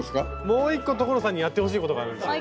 もう１個所さんにやってほしいことがあるんですよ。